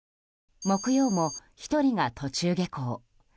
木曜も１人が途中下校。